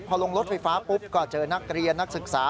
พอลงรถไฟฟ้าปุ๊บก็เจอนักเรียนนักศึกษา